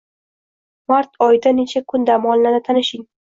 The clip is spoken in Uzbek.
Mart oyida necha kun dam olinadi, tanishing.